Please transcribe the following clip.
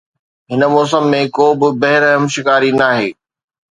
هن موسم ۾ ڪو به بي رحم شڪاري ناهي